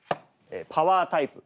「パワータイプ」。